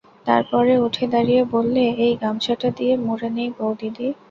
তার পরে উঠে দাঁড়িয়ে বললে, এই গামছাটা দিয়ে মুড়ে নিই বউদিদি।